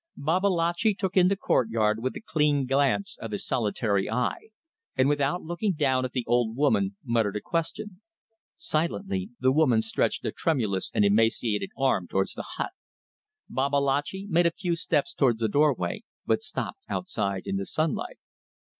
Babalatchi took in the courtyard with a keen glance of his solitary eye, and without looking down at the old woman muttered a question. Silently, the woman stretched a tremulous and emaciated arm towards the hut. Babalatchi made a few steps towards the doorway, but stopped outside in the sunlight.